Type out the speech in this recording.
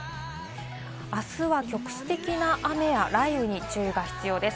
あすは局地的な雨や雷雨に注意が必要です。